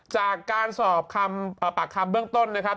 จากการสอบปากคำเบื้องต้นนะครับ